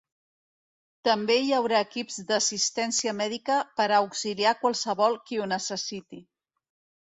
També hi haurà equips d’assistència mèdica per a auxiliar qualsevol qui ho necessiti.